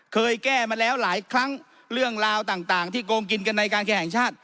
เคยแก้มาแล้วหลายครั้งเรื่องราวต่างที่โกงกินกันในการแข่งชาติ